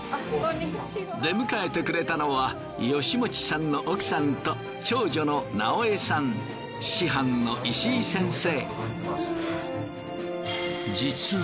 出迎えてくれたのは吉用さんの奥さんと長女の直江さん師範の石井先生。